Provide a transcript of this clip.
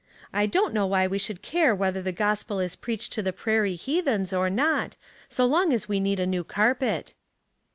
I don't know why we should care whether the gospel is preached to the prairie heathens or not, so long as we need a new carpet."